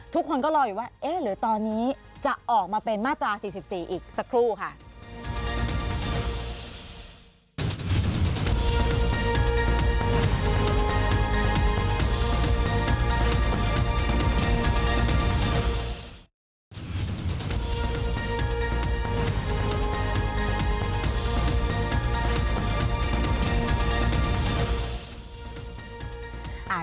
ทุกคนก็รออยู่ว่าเอ๊ะหรือตอนนี้จะออกมาเป็นมาตรา๔๔อีกสักครู่ค่ะ